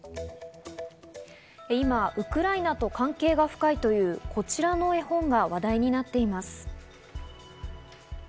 今、ウクライナと関係が深いというこちらの絵本が話題になっています。